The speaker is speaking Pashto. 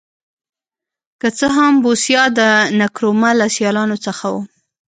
که څه هم بوسیا د نکرومه له سیالانو څخه و.